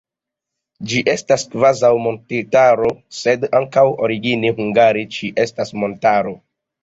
Ĝi estas kvazaŭ montetaro, sed ankaŭ origine hungare ĝi estas montaro.